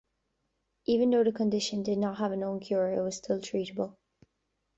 Even though the condition did not have a known cure, it was still treatable.